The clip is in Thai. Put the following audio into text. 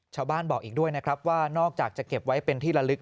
ชาวบ้านบอกอีกด้วยนะครับว่านอกจากจะเก็บไว้เป็นที่ละลึก